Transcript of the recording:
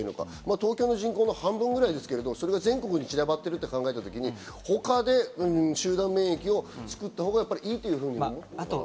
東京の人口の半分ぐらいですけど、それが全国に散らばってると考えた時、他で集団免疫をつくったほうがいいということが。